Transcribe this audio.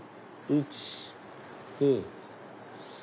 １・２・３。